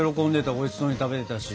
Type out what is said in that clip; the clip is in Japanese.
おいしそうに食べてたし。